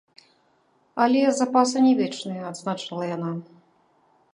Але запасы не вечныя, адзначыла яна.